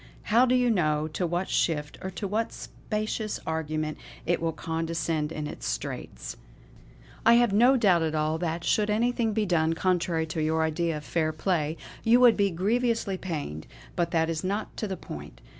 How do you know to what shift, or to what specious argument it will condescend in its straits. I have no doubt that, should anything be done contrary to your idea of fair play, you would be grievously pained; but that is not to the point.